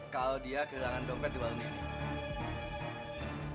kalau dia kehilangan dompet di warung ini